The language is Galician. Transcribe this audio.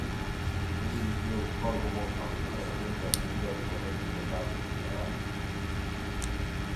Como iniciou Córgomo a recuperación da figura de Florencio Delgado Gurriarán?